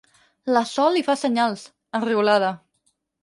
La Sol li fa senyals, enriolada.